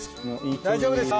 大丈夫ですよ。